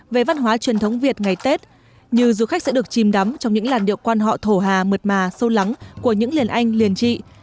về văn hóa truyền thống việt ngày tết như du khách sẽ được chìm đắm trong những làn điệu quan họ thổ hà mượt mà sâu lắng của những liền anh liền trị